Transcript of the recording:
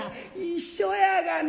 一緒やがな。